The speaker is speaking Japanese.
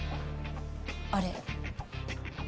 あれ？